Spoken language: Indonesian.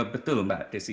betul mbak desi